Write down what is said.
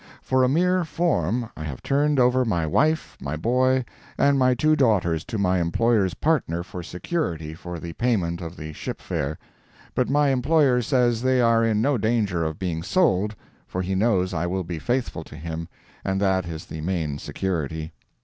For a mere form, I have turned over my wife, my boy, and my two daughters to my employer's partner for security for the payment of the ship fare. But my employer says they are in no danger of being sold, for he knows I will be faithful to him, and that is the main security.